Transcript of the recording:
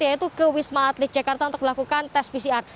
yaitu ke wisma atlet jakarta untuk melakukan tes pcr